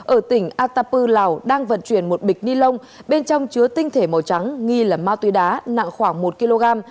ở tỉnh atapu lào đang vận chuyển một bịch ni lông bên trong chứa tinh thể màu trắng nghi là ma túy đá nặng khoảng một kg